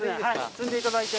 積んでいただいて。